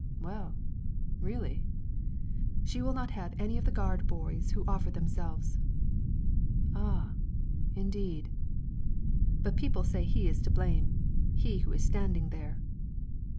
"Well, really?" "She will not have any of the gard boys who offer themselves." "Ah, indeed." "But people say he is to blame; he who is standing there."